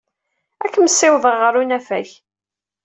Ad kem-ssiwḍeɣ ɣer unafag.